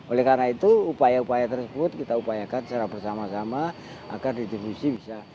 oleh karena itu upaya upaya tersebut kita upayakan secara bersama sama agar distribusi bisa